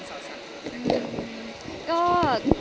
แต่แกล้ง